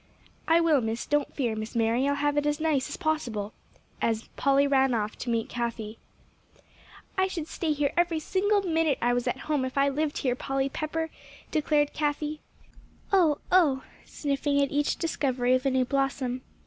"I will, Miss; don't fear, Miss Mary, I'll have it as nice as possible," as Polly ran off to meet Cathie. "I should stay here every single minute I was at home if I lived here, Polly Pepper," declared Cathie. "Oh, oh!" sniffing at each discovery of a new blossom.